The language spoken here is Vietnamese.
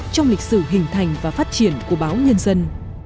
trong lịch sử hình thành và phát triển của báo nhân dân